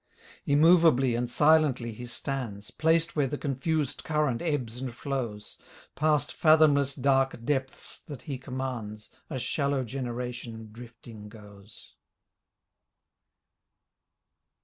Immovably and silently he stands Placed where the confused current ebbs and flows ; Past fathomless dark depths that he commands A shallow generation drifting goes